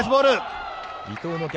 伊藤の逆